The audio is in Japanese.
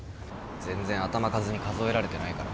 全然頭数に数えられてないから。